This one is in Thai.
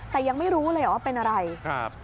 แต่ยังไม่รู้เลยเหรอว่าเป็นอะไรครับ